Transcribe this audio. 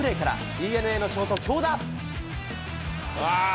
ＤｅＮＡのショート、京田。